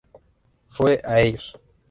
Fue a ellos.